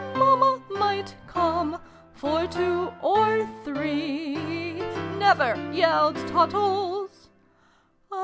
Mamma might come for two or three ' 1 NE VER !' yelled Tottles.